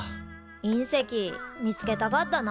隕石見つけたかったな。